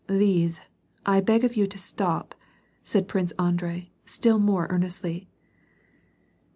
" Lise, I beg of you to stop," said Prince Andrei, still more earnestly.